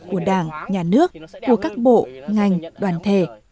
của đảng nhà nước của các bộ ngành đoàn thể